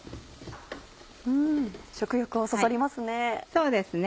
食欲をそそりますね。